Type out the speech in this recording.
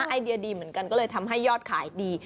ไอเดียดีเหมือนกันก็เลยทำให้ยอดขายดี